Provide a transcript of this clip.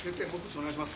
お願いします。